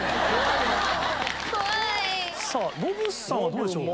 さぁノブさんはどうでしょう？